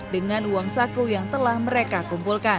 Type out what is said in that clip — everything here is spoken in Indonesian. dengan uang saku yang telah mereka kumpulkan